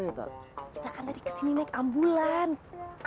kita kan tadi kesini naik ambulans